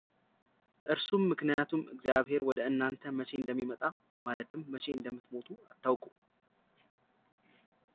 እርሱም ምክንያቱም እግዚአብሔር ወደ እናንተ መቼ እንደሚመጣ ማለትም መቼ እንደምትሞቱ አታውቁም፡፡